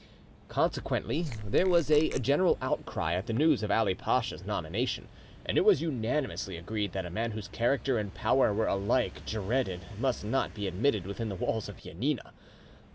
Consequently there was a general outcry at the news of Ali Pacha's nomination, and it was unanimously agreed that a man whose character and power were alike dreaded must not be admitted within the walls of Janina.